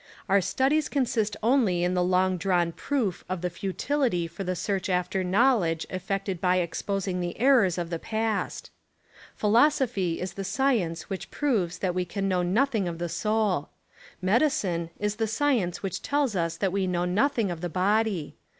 Our studies consist only in the long drawn proof of the futility for the search after knowledge effected by exposing the errors of the past. Philosophy is the science which proves that we can know nothing of the soul. Medicine is the science which tells that we know nothing of the body.